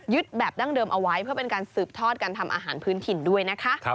แบบดั้งเดิมเอาไว้เพื่อเป็นการสืบทอดการทำอาหารพื้นถิ่นด้วยนะคะ